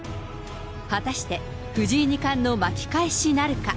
果たして藤井二冠の巻き返しなるか。